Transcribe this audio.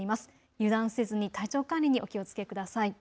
油断せずに体調管理にお気をつけください。